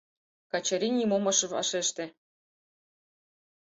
Качырий нимом ыш вашеште.